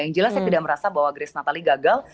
yang jelas saya tidak merasa bahwa grace natali gagal